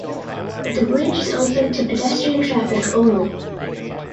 The bridge is open to pedestrian traffic only.